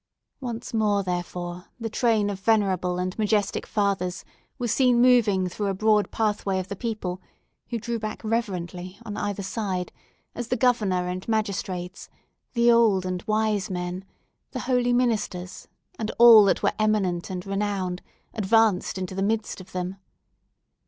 Once more, therefore, the train of venerable and majestic fathers were seen moving through a broad pathway of the people, who drew back reverently, on either side, as the Governor and magistrates, the old and wise men, the holy ministers, and all that were eminent and renowned, advanced into the midst of them.